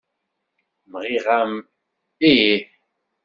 Nniɣ-am ih.